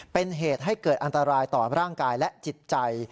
เป็นเหตุให้เกิดอันตรายต่อร่างกายและจิตใจ